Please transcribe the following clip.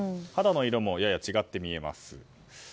肌の色もやや違って見えます。